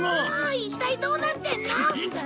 一体どうなってんの！？